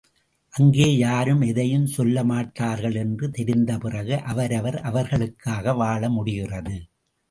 அங்கே யாரும் எதையும் சொல்லமாட்டார்கள் என்று தெரிந்த பிறகு அவரவர் அவர்களுக்காக வாழ முடிகிறது.